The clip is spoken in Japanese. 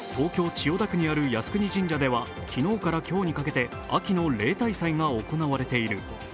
千代田区にある靖国神社では昨日から今日にかけて秋の例大祭が行われている。